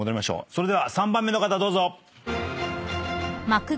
それでは３番目の方どうぞ。